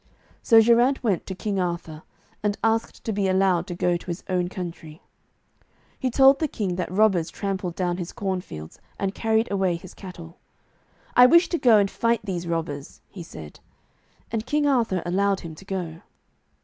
So Geraint went to King Arthur, and asked to be allowed to go to his own country. He told the King that robbers trampled down his cornfields, and carried away his cattle. 'I wish to go and fight these robbers,' he said. And King Arthur allowed him to go.